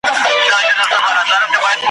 په هر جنګ کي مي بری دی اسمانونو آزمېیلی !.